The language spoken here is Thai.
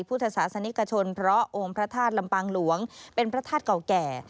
พุทธศาสนิกชนเพราะองค์พระธาตุลำปางหลวงเป็นพระธาตุเก่าแก่